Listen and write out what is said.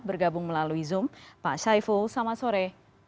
bergabung melalui zoom pak syaiful selamat sore